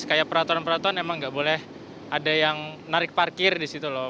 kayak peraturan peraturan emang nggak boleh ada yang narik parkir di situ loh